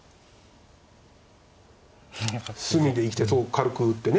隅で生きて軽く打って。